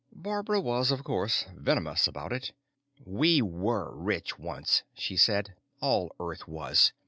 Barbara was, of course, venomous about it. "We were rich once," she said. "All Earth was.